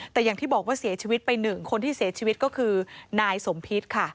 แต่อย่างที่บอกว่าเสียชีวิตไปหนึ่งคนที่เสียชีวิตก็คือนายสมพิษค่ะ